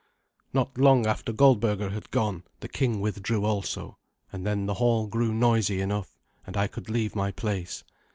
Not long after Goldberga had gone, the king withdrew also, and then the hall grew noisy enough, and I could leave my place.